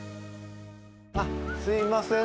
あすいません